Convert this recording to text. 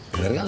bener gak lu